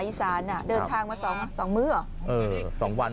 อีสานอ่ะเดินทางมาสองสองมื้อเออสองวัน